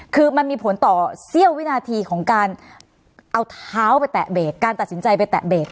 คือมันมีผลต่อเสี้ยววินาทีของการเอาเท้าไปแตะเบรกการตัดสินใจไปแตะเบรก